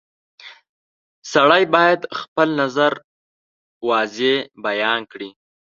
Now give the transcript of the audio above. • سړی باید خپل نظر واضح بیان کړي.